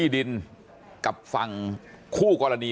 บอกแล้วบอกแล้วบอกแล้วบอกแล้ว